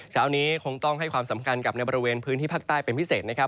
เช้านี้คงต้องให้ความสำคัญกับในบริเวณพื้นที่ภาคใต้เป็นพิเศษนะครับ